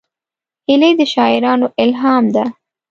هیلۍ د شاعرانو الهام ده